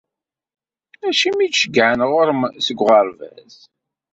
Acimi i d-ceggɛen ɣur-m seg uɣerbaz?